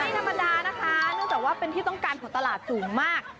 ไม่ธรรมดานะคะเนื่องจากว่าเป็นที่ต้องการของตลาดสูงมาก